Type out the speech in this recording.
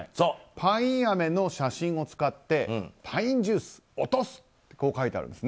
パインアメの写真を使ってパインジュース、落とすとこう書いてあるんです。